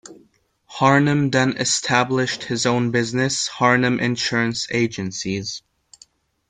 Harnum then established his own business Harnum Insurance Agencies.